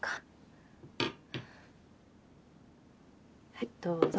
はいどうぞ。